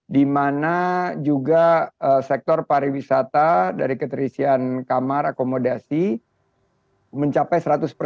di mana juga sektor pariwisata dari keterisian kamar akomodasi mencapai seratus